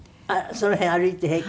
その辺歩いて平気？